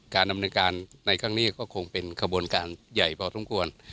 การดำเนินการในครั้งนี้ก็คงเป็นขบวนการใหญ่พอสมควร